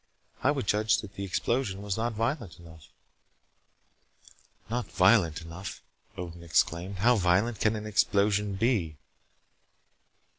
I would judge that the explosion was not violent enough." "Not violent enough," Odin exclaimed. "How violent can an explosion be?"